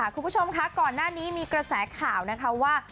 คุณผู้ชมคะก่อนหน้านี้มีกระแสข่าวนะคะว่า